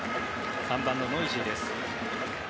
３番のノイジーです。